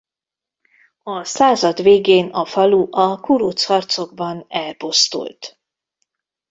A század végén a falu a kuruc harcokban elpusztult.